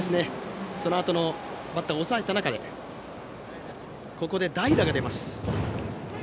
そのあとバッターを抑えた中で代打が出ます。